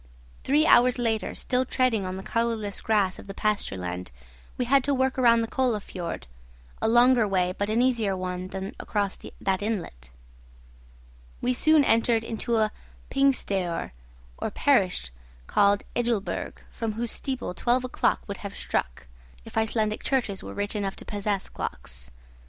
Three hours later, still treading on the colourless grass of the pasture land, we had to work round the Kolla fiord, a longer way but an easier one than across that inlet. We soon entered into a 'pingstaoer' or parish called Ejulberg, from whose steeple twelve o'clock would have struck, if Icelandic churches were rich enough to possess clocks.